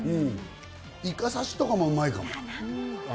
イカ刺しとかもうまいかも。